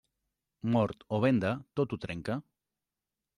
Mort o venda, tot ho trenca.